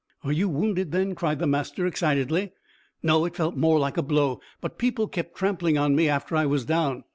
"Are you wounded, then?" cried the master excitedly. "No; it felt more like a blow, but people kept trampling on me after I was down."